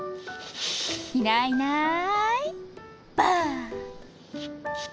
・いないいないばぁ！